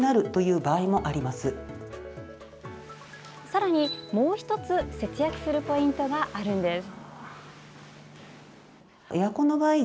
さらに、もう１つ節約するポイントがあるんです。